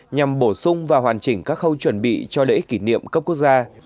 nhằm bổ sung và hoàn chỉnh các khâu chuẩn bị cho lễ kỷ niệm cấp quốc gia